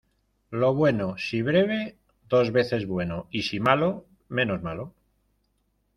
Lo bueno si breve, dos veces bueno y si malo, menos malo.